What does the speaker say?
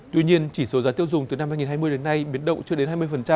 tuy nhiên chỉ số giá tiêu dùng từ năm hai nghìn hai mươi đến nay biến động chưa đến hai mươi